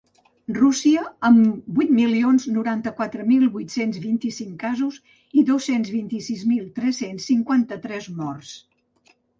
Rússia, amb vuit milions noranta-quatre mil vuit-cents vint-i-cinc casos i dos-cents vint-i-sis mil tres-cents cinquanta-tres morts.